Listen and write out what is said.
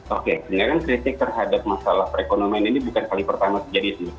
oke sebenarnya kan kritik terhadap masalah perekonomian ini bukan kali pertama terjadi